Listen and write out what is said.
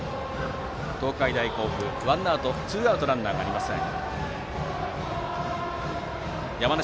東海大甲府、ツーアウトランナーありません。